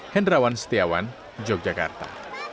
hendrawan setiawan yogyakarta